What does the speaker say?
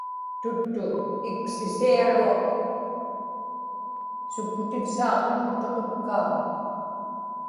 tuttu ikisiaruaq supputivsaaqługu tuqutkaa